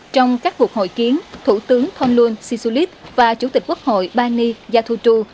trong các cuộc hội kiến thủ tướng thôn luân si su lít và chủ tịch quốc hội bani gia tu tu